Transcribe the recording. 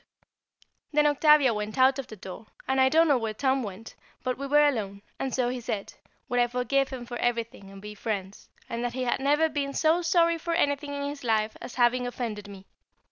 [Sidenote: Forgiveness] Then Octavia went out of the other door, and I don't know where Tom went, but we were alone, and so he said, would I forgive him for everything and be friends, that he had never been so sorry for anything in his life as having offended me.